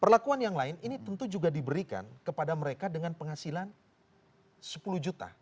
perlakuan yang lain ini tentu juga diberikan kepada mereka dengan penghasilan sepuluh juta